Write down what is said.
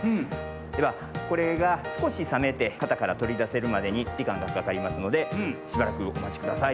ではこれがすこしさめてかたからとりだせるまでにじかんがかかりますのでしばらくおまちください。